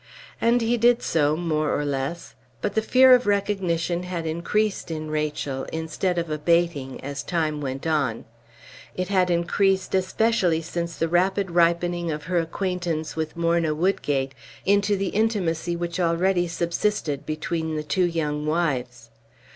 And he did so, more or less; but the fear of recognition had increased in Rachel, instead of abating, as time went on. It had increased especially since the rapid ripening of her acquaintance with Morna Woodgate into the intimacy which already subsisted between the two young wives.